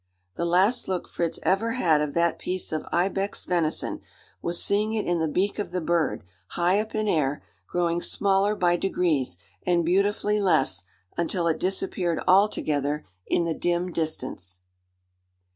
The last look Fritz ever had of that piece of ibex venison, was seeing it in the beak of the bird, high up in air, growing smaller by degrees and beautifully less until it disappeared altogether in the dim distance.